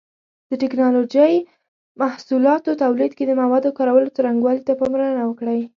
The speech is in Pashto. د ټېکنالوجۍ محصولاتو تولید کې د موادو کارولو څرنګوالي ته پاملرنه وکړئ.